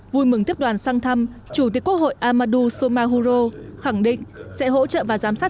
vui mừng tiếp đoàn sang thăm chủ tịch quốc hội amadu somahuro khẳng định sẽ hỗ trợ và giám sát